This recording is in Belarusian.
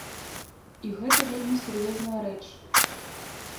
І гэта вельмі сур'ёзная рэч.